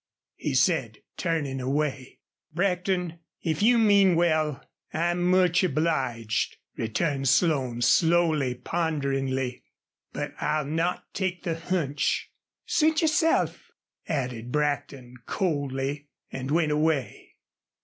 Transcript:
he said, turning away. "Brackton, if you mean well, I'm much obliged," returned Slone, slowly, ponderingly. "But I'll not take the hunch." "Suit yourself," added Brackton, coldly, and he went away.